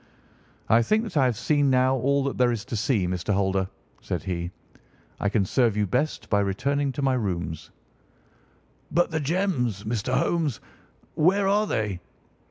"I think that I have seen now all that there is to see, Mr. Holder," said he; "I can serve you best by returning to my rooms." "But the gems, Mr. Holmes. Where are they?"